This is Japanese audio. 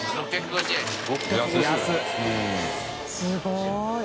すごい。